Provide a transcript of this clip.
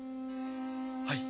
はい。